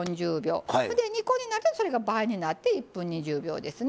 ２個になるとそれが倍になって１分２０秒ですね。